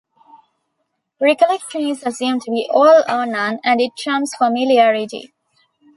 Recollection is assumed to be all-or-none, and it trumps familiarity.